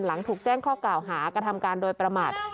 หลังถูกแจ้งข้อกล่าวหากระทำการโดยประมาท